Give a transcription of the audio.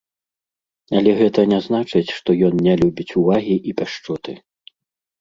Але гэта не значыць, што ён не любіць увагі і пяшчоты.